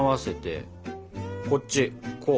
こっちこう。